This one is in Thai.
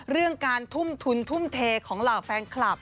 เรื่องการทุ่มทุนทุ่มเทของเหล่าแฟนคลับ